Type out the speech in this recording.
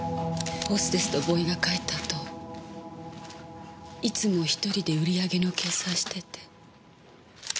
ホステスとボーイが帰ったあといつも一人で売上の計算してて。